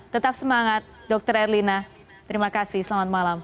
terima kasih selamat malam